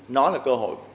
nó là cơ hội